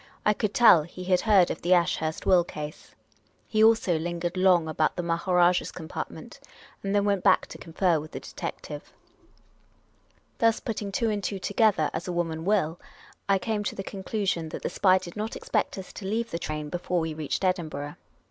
I could tell he had heard of the Ashurst will case. He also lingered long about the Maharajah's com partment, and then went back to confer with the detective. Thus, putting two and two together, as a woman will, I came to the conclusion that the spy did not expect us to leave the train before we reached Edinburgh.